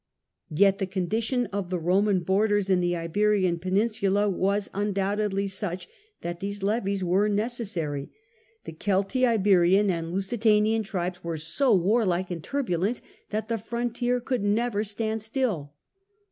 Yet the condition of the Roman borders in the Iberian peninsula was undoubtedly such that these levies were necessary. The Oeltiberian and Lusitanian tribes were so warlike and turbulent that the frontier could never stand still.